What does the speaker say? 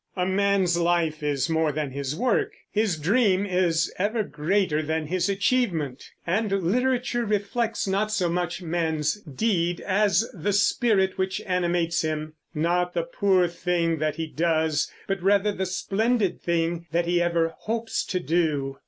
A man's life is more than his work; his dream is ever greater than his achievement; and literature reflects not so much man's deed as the spirit which animates him; not the poor thing that he does, but rather the splendid thing that he ever hopes to do.